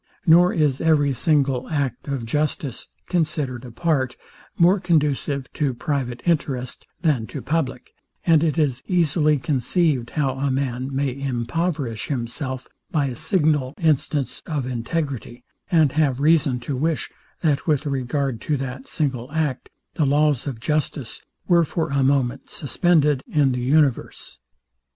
Nor is every single act of justice, considered apart, more conducive to private interest, than to public; and it is easily conceived how a man may impoverish himself by a signal instance of integrity, and have reason to wish, that with regard to that single act, the laws of justice were for a moment suspended in the universe.